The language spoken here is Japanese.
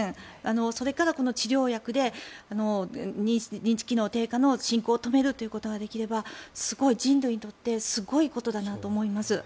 それからこの治療薬で認知機能低下の進行を止めるということができれば人類にとってすごいことだなと思います。